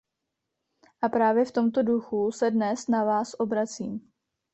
A právě v tomto duchu se dnes na vás obracím.